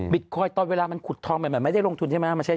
บิตคอยด์ตอนเวลามันขุดทองมันไม่ได้ลงทุนใช่ไหมล่ะ